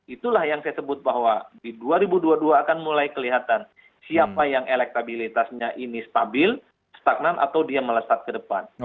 itulah yang saya sebut bahwa di dua ribu dua puluh dua akan mulai kelihatan siapa yang elektabilitasnya ini stabil stagnan atau dia melesat ke depan